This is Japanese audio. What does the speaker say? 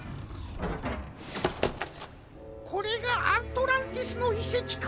これがアントランティスのいせきか。